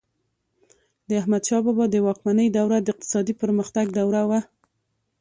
د احمدشاه بابا د واکمنۍ دوره د اقتصادي پرمختګ دوره وه.